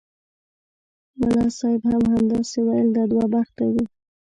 ملا صاحب هم همداسې ویل دا دوه بخته دي.